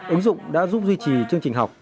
ứng dụng đã giúp duy trì chương trình học